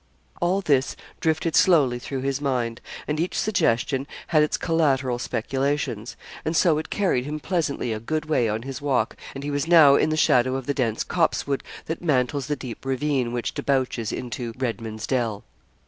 All this drifted slowly through his mind, and each suggestion had its collateral speculations; and so it carried him pleasantly a good way on his walk, and he was now in the shadow of the dense copsewood that mantles the deep ravine which debouches into Redman's Dell.